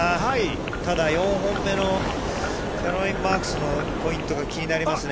ただ、４本目のキャロライン・マークスのポイントが気になりますね。